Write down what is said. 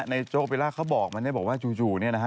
ในโจ๊กโอเปรลล่าเขาบอกมันบอกว่าจู่นี่นะฮะ